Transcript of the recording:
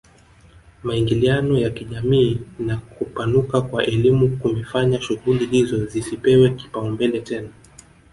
Maingiliano ya kijamii na kupanuka kwa elimu kumefanya shughuli hizo zisipewe kipaumbele tena